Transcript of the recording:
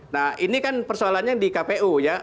nah ini kan persoalannya di kpu ya